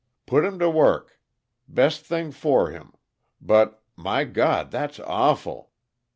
Put him to work. Best thing for him. But my God, that's awful!"